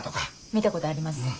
見たことあります。